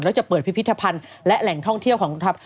แล้วจะเปิดพิพิธภัณฑ์และแหล่งท่องเที่ยวของกองทัพ